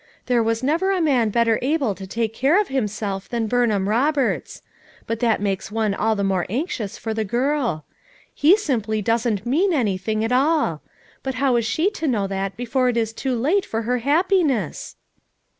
There was never a man better able to take care of himself than Burnham Eoberts. But that makes one all the more anxious for the girl. He simply doesn't mean anything at all; but how is she to know that before it is too late for her happiness